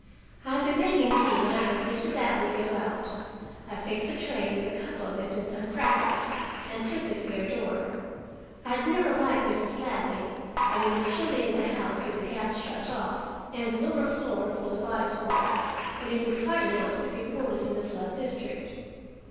I had been making tea when I heard Mr. Ladley go out. I fixed a tray with a cup of it and some crackers, and took it to their door. I had never liked Mrs. Ladley, but it was chilly in the house with the gas shut off and the lower floor full of ice water. And it is hard enough to keep boarders in the flood district.